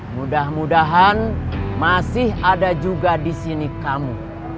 mudah mudahan masih ada juga disini kamu